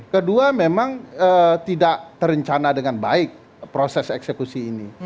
kedua memang tidak terencana dengan baik proses eksekusi ini